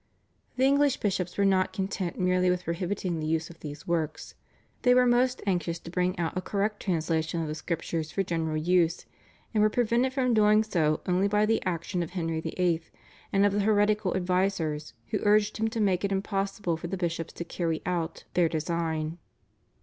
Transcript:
The English bishops were not content merely with prohibiting the use of these works. They were most anxious to bring out a correct translation of the Scriptures for general use, and were prevented from doing so only by the action of Henry VIII. and of the heretical advisers, who urged him to make it impossible for the bishops to carry out their design.